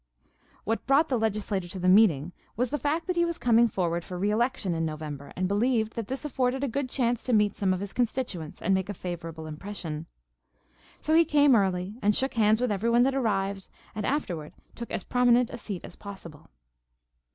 What brought the legislator to the meeting was the fact that he was coming forward for re election in November, and believed that this afforded a good chance to meet some of his constituents and make a favorable impression. So he came early and shook hands with everyone that arrived, and afterward took as prominent a seat as possible.